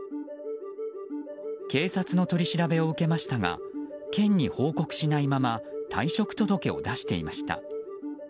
警察の取り調べを受けましたが県に報告しないまま退職届を出していました。